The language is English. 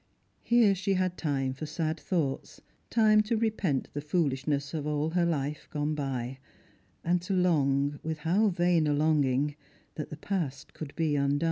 Here she had time for sad thoughts, time to repent the fooUsh ness of all her hfe gone by, and to long, with how vain a long ing, that the past could be undone.